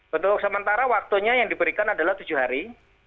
betul sementara waktunya yang diberikan adalah tujuh hari